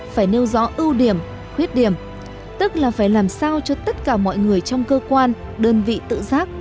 phải nêu rõ ưu điểm khuyết điểm tức là phải làm sao cho tất cả mọi người trong cơ quan đơn vị tự giác